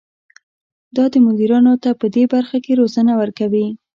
دا مدیرانو ته پدې برخه کې روزنه ورکوي.